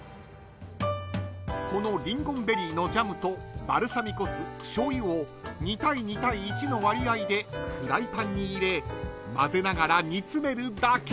［このリンゴンベリーのジャムとバルサミコ酢しょうゆを２：２：１の割合でフライパンに入れ混ぜながら煮詰めるだけ］